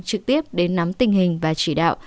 trực tiếp đến nắm tình hình và chỉ đạo